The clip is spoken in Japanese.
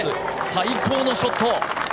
最高のショット！